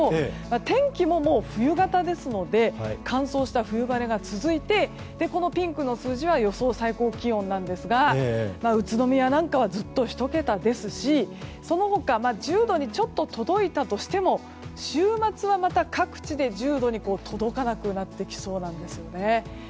天気ももう冬型ですので乾燥した冬晴れが続いてこのピンクの数字は予想最高気温なんですが宇都宮なんかはずっと１桁ですしその他、１０度にちょっと届いたとしてもい週末はまた各地で１０度に届かなくなってきそうです。